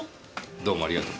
どうもありがとう。